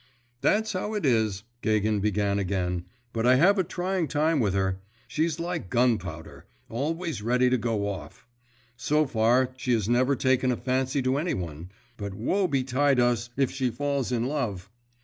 'That's how it is,' Gagin began again; 'but I have a trying time with her. She's like gun powder, always ready to go off. So far, she has never taken a fancy to any one, but woe betide us, if she falls in love!